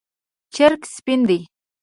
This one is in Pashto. چرګ سپین دی